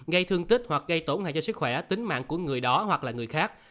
gây thương tích hoặc gây tổn hại cho sức khỏe tính mạng của người đó hoặc là người khác